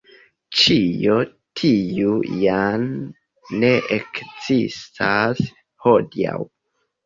Ĉio tiu jam ne ekzistas hodiaŭ.